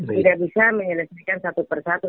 tidak bisa menyelesaikan satu persatu